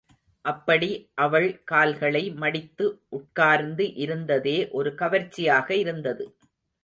அப்படி அவள் கால்களை மடித்து உட்கார்ந்து இருந்ததே ஒரு கவர்ச்சியாக இருந்தது.